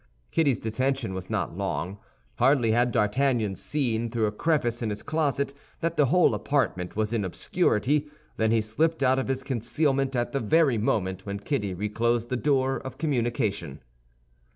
Kitty's detention was not long. Hardly had D'Artagnan seen, through a crevice in his closet, that the whole apartment was in obscurity, than he slipped out of his concealment, at the very moment when Kitty reclosed the door of communication.